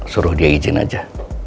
suruh dia izin aja